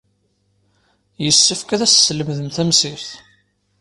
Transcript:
Yessefk ad as-teslemdem tamsirt.